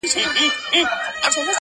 لوپټه ده کۀ حجاب دے لاجواب دے